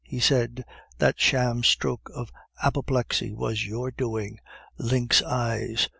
he said. "That sham stroke of apoplexy was your doing, lynx eyes!...